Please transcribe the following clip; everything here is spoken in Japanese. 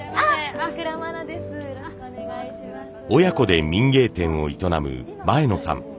親子で民芸店を営む前野さん。